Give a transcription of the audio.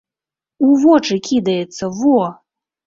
У вочы кідаецца, во!